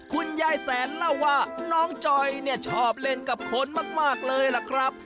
คุณยายแสนเล่าว่าน้องจอยเนี่ยชอบเล่นกับคนมากเลยล่ะครับ